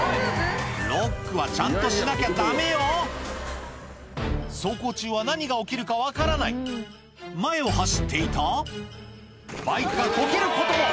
ロックはちゃんとしなきゃダメよ走行中は何が起きるか分からない前を走っていたバイクがコケることも！